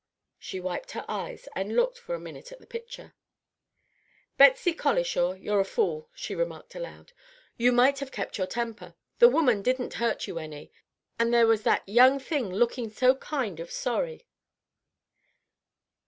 She wiped her eyes, and looked for a minute at the pitcher. "Betsey Colishaw, you're a fool!" she remarked aloud. "You might have kept your temper. The woman didn't hurt you any. And there was that young thing looking so kind of sorry.